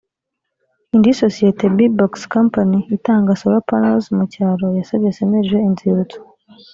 indi sosiyeti b boxx company itanga solar panels mu cyaro yasabye cnlg inzibutso